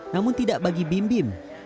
namun tidak bagi bim bim